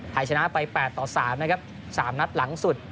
ไทยชนะไป๘ต่อ๓นะครับ๓นัดหลังสุด